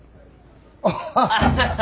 アハハハ。